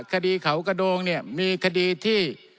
คดีเขากระโดงเนี่ยมีคดีที่